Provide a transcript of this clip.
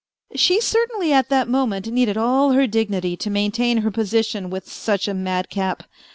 She certainly at that moment needed all her dignity to main tain her position with such a madcap.